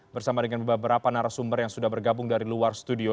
bersama dengan beberapa narasumber yang sudah bergabung dari luar studio